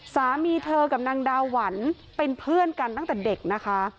สามีเธอกับนางดาหวันเป็นเพื่อนกันตั้งแต่เด็กนะคะ